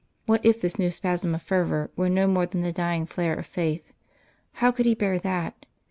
What if this new spasm of fervour were no more than the dying flare of faith? How could he bear that?